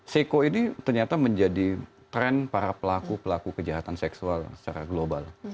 seko ini ternyata menjadi tren para pelaku pelaku kejahatan seksual secara global